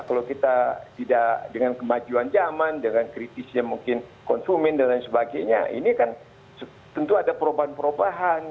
kalau kita tidak dengan kemajuan zaman dengan kritisnya mungkin konsumen dan lain sebagainya ini kan tentu ada perubahan perubahan